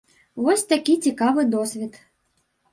Вось такі цікавы досвед.